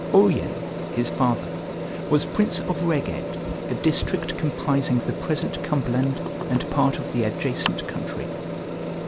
Urien, his father, was prince of Rheged, a district comprising the present Cumberland and part of the adjacent country.